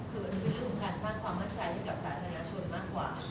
คือคือคุณคุณค่านสร้างความมั่นใจที่เกี่ยวกับสาธารณชนมากกว่า